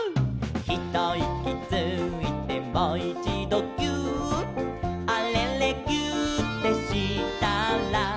「ひといきついてもいちどぎゅーっ」「あれれぎゅーってしたら」